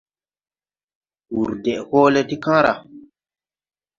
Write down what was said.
Wùr deʼ hɔɔlɛ ti kããra.